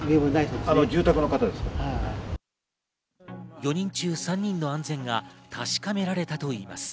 ４人中３人の安全が確かめられたといいます。